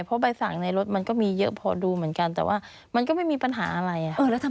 เพราะใบสั่งในรถมันก็มีเยอะพอดูเหมือนกันแต่ว่ามันก็ไม่มีปัญหาอะไร